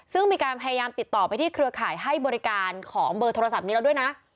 ซึ่งมีการพยายามติดต่อไปที่เครือข่ายให้บริการของเบอร์โทรศัพท์นี้แล้วด้วยนะ